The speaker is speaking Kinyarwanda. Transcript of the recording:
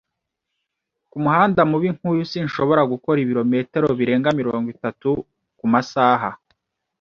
Kumuhanda mubi nkuyu, sinshobora gukora ibirometero birenga mirongo itatu kumasaha.